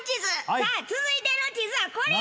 さあ続いての地図はこれや！